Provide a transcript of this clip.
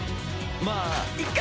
まあいっか！